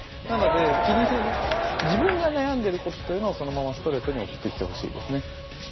なので気にせず自分が悩んでることというのをそのままストレートに送ってきてほしいですね。